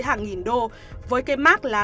hàng nghìn đô với cái mát là